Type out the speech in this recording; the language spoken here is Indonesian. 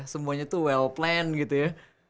semuanya tuh well plan gitu ya